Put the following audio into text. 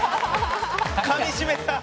かみしめた！